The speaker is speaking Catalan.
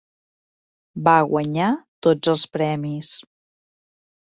Va guanyar tots els premis.